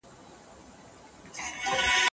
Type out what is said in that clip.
ماشومانو ته هم ځینې وخت میلاټونین ورکول کېږي.